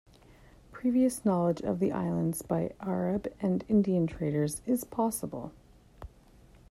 Previous knowledge of the islands by Arab and Indian traders is possible.